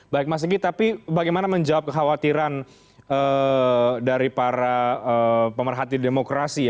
baik mas sigi tapi bagaimana menjawab kekhawatiran dari para pemerhati demokrasi